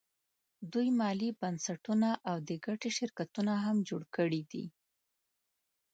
دوی مالي بنسټونه او د ګټې شرکتونه هم جوړ کړي دي